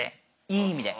いい意味で。